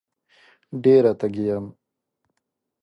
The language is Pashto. ډېره تږې یم